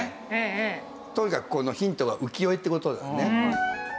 とにかくこのヒントが浮世絵って事だよね。